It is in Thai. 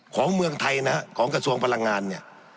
ของเมืองไทยนะฮะของกระทรวงพลังงานเนี่ย